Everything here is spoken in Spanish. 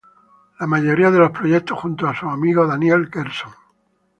La mayoría de proyectos junto a su amigo Daniel Gerson.